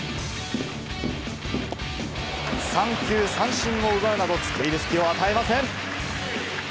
三球三振を奪うなど、つけいる隙を与えません。